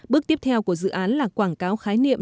bước tiếp theo của dự án là quảng cáo khái niệm